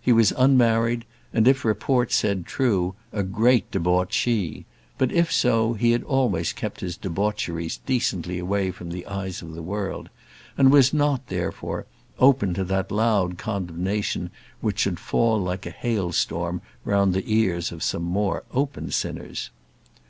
He was unmarried, and, if report said true, a great debauchee; but if so he had always kept his debaucheries decently away from the eyes of the world, and was not, therefore, open to that loud condemnation which should fall like a hailstorm round the ears of some more open sinners.